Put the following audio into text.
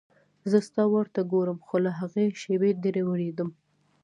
زه ستا ور ته ګورم خو له هغې شېبې ډېره وېرېدم.